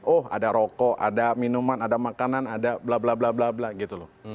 oh ada rokok ada minuman ada makanan ada bla bla bla bla bla gitu loh